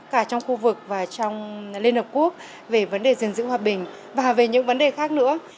cả trong khu vực và trong liên hợp quốc về vấn đề gìn giữ hòa bình và về những vấn đề khác nữa